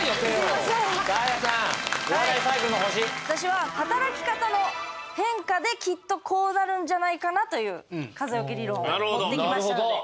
私は働き方の変化できっとこうなるんじゃないかなという風桶理論を持ってきましたので。